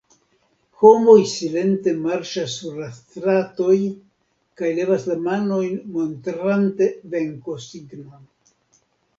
Homoj silente marŝas sur la stratoj kaj levas la manojn montrante venkosignon.